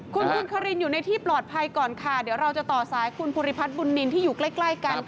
คุณคุณคารินอยู่ในที่ปลอดภัยก่อนค่ะเดี๋ยวเราจะต่อสายคุณภูริพัฒน์บุญนินที่อยู่ใกล้กัน